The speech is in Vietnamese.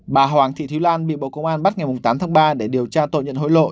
bà hoàng thị thúy lan bị bộ công an bắt ngày tám tháng ba để điều tra tội nhận hối lộ